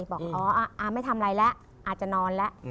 บอกอ๋อไม่ทำอะไรแล้วอาจจะนอนแล้ว